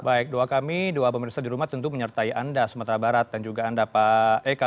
baik doa kami doa pemirsa di rumah tentu menyertai anda sumatera barat dan juga anda pak eka